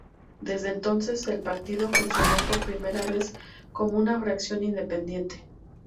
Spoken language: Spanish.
Desde entonces, el partido funcionó por primera vez como una fracción independiente.